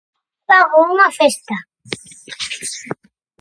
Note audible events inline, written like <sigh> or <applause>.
Fago unha festa. <noise>